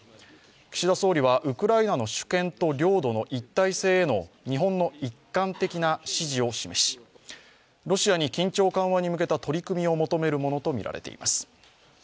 岸田総理はウクライナの主権と領土の一体性への日本の一貫的な支持を示し、ロシアに緊張緩和に向けた取り組みを求めるものとみられています。